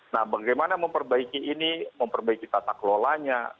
nah bagaimana memperbaiki ini memperbaiki tatak lolanya